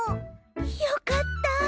よかった。